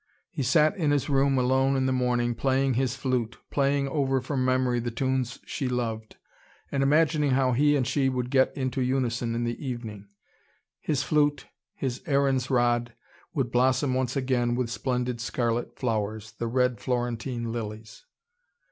He sat in his room alone in the morning, playing his flute, playing over from memory the tunes she loved, and imagining how he and she would get into unison in the evening. His flute, his Aaron's rod, would blossom once again with splendid scarlet flowers, the red Florentine lilies.